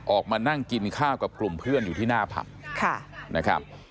ออกมานั่งกินข้าวกับกลุ่มเพื่อนอยู่ที่หน้าผับนะครับ